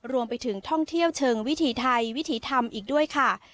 รวมไปถึงท่องเที่ยวเชิงวิถีไทยวิถีธรรมอีกด้วยค่ะ